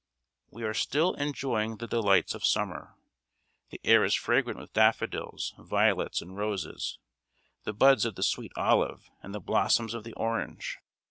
] We are still enjoying the delights of summer. The air is fragrant with daffodils, violets, and roses, the buds of the sweet olive and the blossoms of the orange.